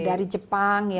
dari jepang ya